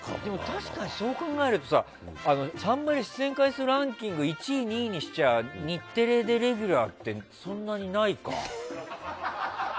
確かにそう考えるとさ「サンバリュ」出演回数ランキング１位、２位にしちゃ日テレでレギュラーってそんなにないか。